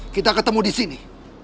kita ketemu di sini